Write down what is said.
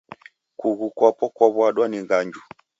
Kughu kwapo kwaw'uadwa ni nganju